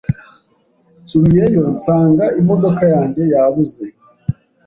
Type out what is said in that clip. Nsubiyeyo, nsanga imodoka yanjye yabuze.